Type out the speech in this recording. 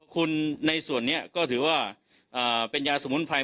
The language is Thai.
คุณในส่วนนี้ก็ถือว่าเป็นยาสมุนไพร